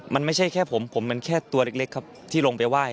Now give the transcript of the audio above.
มันไม่ใช่แค่ผมผมมันแค่ตัวเล็กครับที่ลงไปไหว้